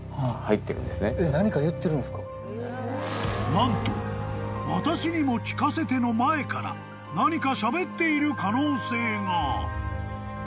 ［何と「私にも聞かせて」の前から何かしゃべっている可能性が］